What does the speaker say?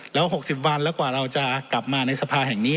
แล้ว๖๐วันแล้วกว่าเราจะกลับมาในสภาแห่งนี้